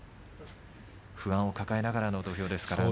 不安を抱えながらの土俵ですからね。